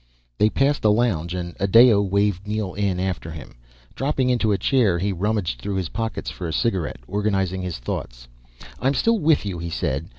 They passed a lounge, and Adao waved Neel in after him, dropping into a chair. He rummaged through his pockets for a cigarette, organizing his thoughts. "I'm still with you," he said.